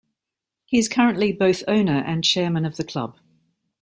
He is currently both owner and chairman of the club.